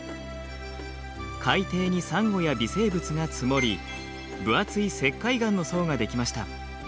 海底にサンゴや微生物が積もり分厚い石灰岩の層が出来ました。